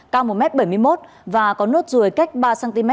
cao một m bảy mươi một và có nốt ruồi cách ba cm